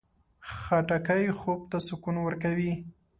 خټکی خوب ته سکون ورکوي.